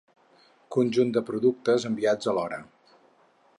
Conjunt de productes enviats alhora.